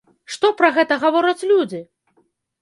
Што пра гэта гавораць людзі?